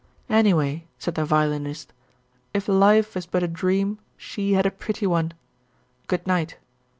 "Anyway," said the Violinist, "if Life is but a dream, she had a pretty one. Good night."